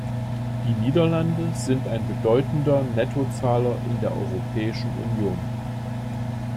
Die Niederlande sind ein bedeutender Nettozahler in der Europäischen Union.